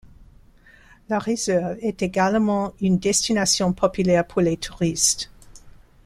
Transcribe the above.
La réserve est également une destination populaire pour les touristes.